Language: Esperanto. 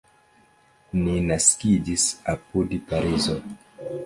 Li naskiĝis apud Parizo.